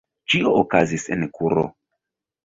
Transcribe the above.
Ĉio okazis en kuro.